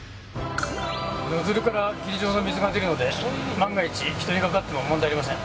ノズルから霧状の水が出るので万が一人にかかっても問題ありません。